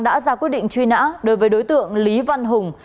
đã ra quyết định truy nã đối với đối tượng lý văn hùng